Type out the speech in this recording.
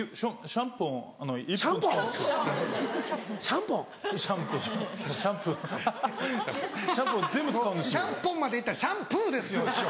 シャンポンまで行ったらシャンプーですよ師匠。